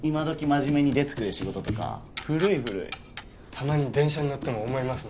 真面目にデスクで仕事とか古い古いたまに電車乗っても思います